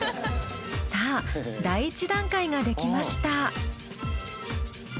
さぁ第一段階ができました。